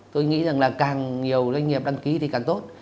tôi nghĩ rằng là càng nhiều doanh nghiệp đăng ký thì càng tốt